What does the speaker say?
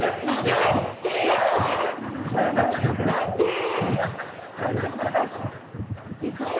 なんでこれなんですか？